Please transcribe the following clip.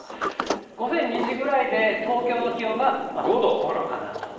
午前２時ぐらいで、東京の気温が５度かなと。